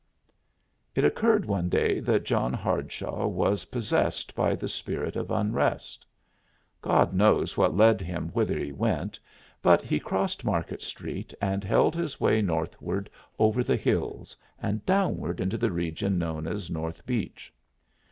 It occurred one day that John Hardshaw was possessed by the spirit of unrest. God knows what led him whither he went, but he crossed Market Street and held his way northward over the hills, and downward into the region known as North Beach.